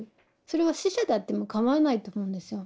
それは死者であっても構わないと思うんですよ。